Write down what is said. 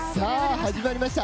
始まりました